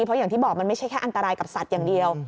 เพราะอย่างที่บอกมันไม่ใช่แค่อันตรายกับสัตว์อย่างเดียว